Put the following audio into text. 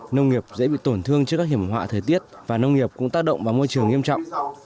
nông nghiệp dễ bị tổn thương trước các hiểm họa thời tiết và nông nghiệp cũng tác động vào môi trường nghiêm trọng